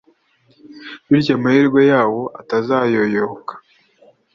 bityo amahirwe yawo atazayoyoka